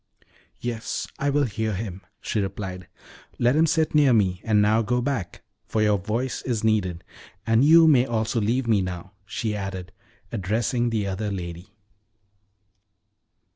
"Yes, I will hear him," she replied. "Let him sit near me; and now go back, for your voice is needed. And you may also leave me now," she added, addressing the other lady.